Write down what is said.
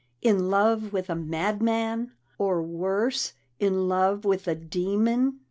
In love with a madman! Or worse in love with a demon!